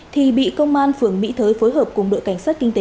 thì bị công an phường mỹ thới phối hợp cùng đội cảnh sát